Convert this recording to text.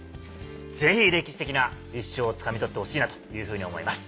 ぜひ歴史的な一勝をつかみ取ってほしいなというふうに思います。